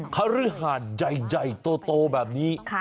คฤหานใหญ่โตแบบนี้